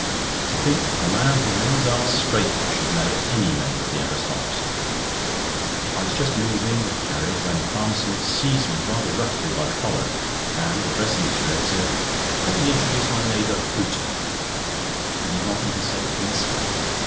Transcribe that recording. To think that a man who mends our scraper should know any member of our aristocracy! I was just moving with Carrie, when Farmerson seized me rather roughly by the collar, and addressing the sheriff, said: "Let me introduce my neighbour, Pooter." He did not even say "Mister."